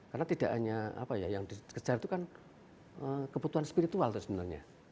karena tidak hanya apa ya yang dikejar itu kan kebutuhan spiritual itu sebenarnya